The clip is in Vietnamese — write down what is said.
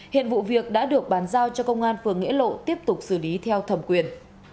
hiện vụ việc đã được bàn giao cho công an phường nghĩa lộ tiếp tục xử lý theo thẩm quyền